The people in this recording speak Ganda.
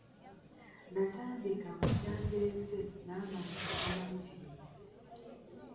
Natandikira ku kyandeese n'amaddu amayitirivu!